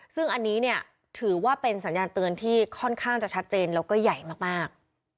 ซึ่งอันนี้เนี่ยถือว่าเป็นสัญญาณเตือนที่ค่อนข้างจะชัดเจนแล้วก็ใหญ่มาก